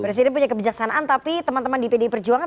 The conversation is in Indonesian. presiden punya kebijaksanaan tapi teman teman di pdi perjuangan